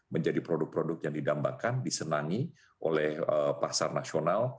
menjadi produk produk yang didambakan disenangi oleh pasar nasional